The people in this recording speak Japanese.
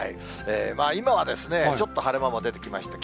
今はちょっと晴れ間も出てきました。